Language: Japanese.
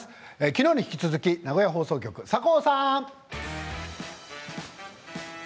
きのうに引き続き名古屋放送局の酒匂さん。